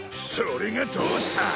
それがどうした！